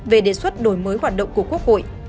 về đề xuất đổi mới hoạt động của quốc hội